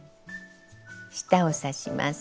下を刺します。